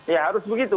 ya harus begitu